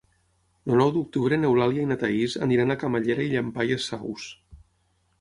El nou d'octubre n'Eulàlia i na Thaís aniran a Camallera i Llampaies Saus.